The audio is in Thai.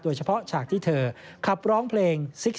โดยเฉพาะฉากที่เธอขับร้องเพลง